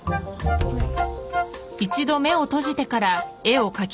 はい